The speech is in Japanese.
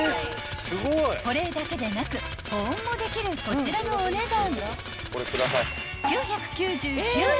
［保冷だけでなく保温もできるこちらのお値段］